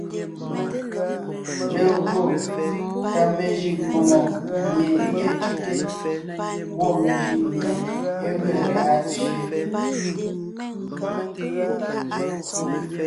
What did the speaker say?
Legÿo tà mejʉʼ mbòŋo mie é tʉ́te; gwɔ́ mejʉʼ mié é ge lá’a tsẅé.